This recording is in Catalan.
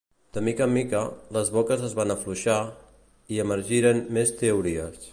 De mica en mica, les boques es van afluixar i emergiren més teories.